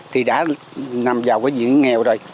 thì đã nằm vào cái diện nghèo rồi